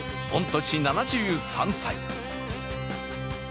御年７３歳。